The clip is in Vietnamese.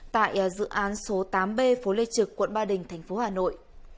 tại dự án số tám b phố lê trực quận ba đình tp hà nội